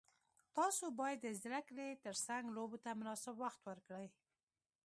تاسو باید د زده کړې ترڅنګ لوبو ته مناسب وخت ورکړئ.